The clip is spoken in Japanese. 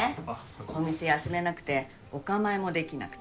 お店休めなくてお構いもできなくて。